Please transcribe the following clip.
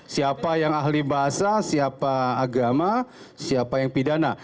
siapa yang ahli bahasa siapa agama siapa yang pidana